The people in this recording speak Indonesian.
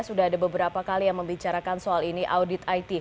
sudah ada beberapa kali yang membicarakan soal ini